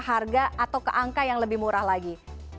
keharga atau keangka yang lebih murah lagi